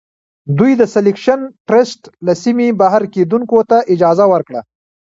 دوی د سیلکشن ټرست له سیمې بهر کیندونکو ته اجازه ورکړه.